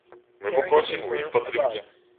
Мы папросім у іх падтрымкі.